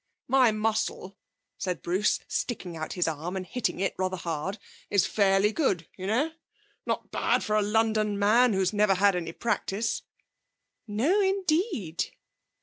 'My muscle,' said Bruce, sticking out his arm, and hitting it rather hard, 'is fairly good, you know. Not bad for a London man who never has any practice.' 'No indeed.'